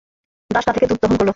দাস তা থেকে দুধ দোহন করল।